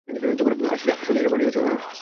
আসলেই এটা পাঠিয়েছ?